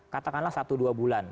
katakanlah satu dua bulan